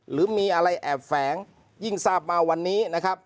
หรือมีอะไรแอบแฝงยิ่งทราบมาวันนี้นะครับ